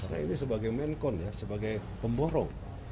nah ini sebagai menkon ya sebagai pemborong